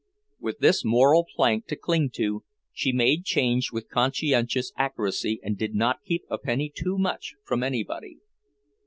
With this moral plank to cling to, she made change with conscientious accuracy and did not keep a penny too much from anybody.